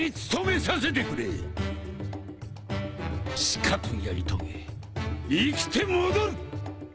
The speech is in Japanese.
しかとやり遂げ生きて戻る！